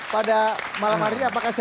pada malam hari ini apakah saya